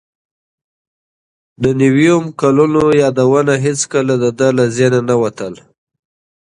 د نویمو کلونو یادونه هیڅکله د ده له ذهنه نه وتل.